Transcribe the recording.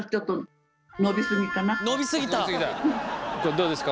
どうですか？